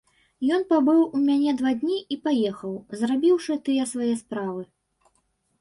Ён пабыў у мяне два дні і паехаў, зрабіўшы тыя свае справы.